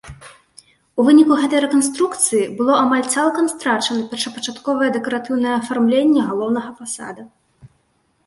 У выніку гэтай рэканструкцыі было амаль цалкам страчана першапачатковае дэкаратыўнае афармленне галоўнага фасада.